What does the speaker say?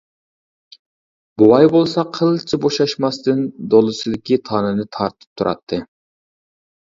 بوۋاي بولسا قىلچە بوشاشماستىن دولىسىدىكى تانىنى تارتىپ تۇراتتى.